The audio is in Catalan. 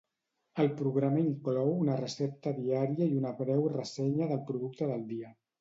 el programa inclou una recepta diària i una breu ressenya del producte del dia